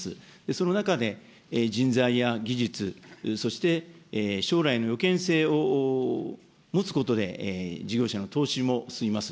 その中で、人材や技術、そして将来の予見性を持つことで事業者の投資も進みます。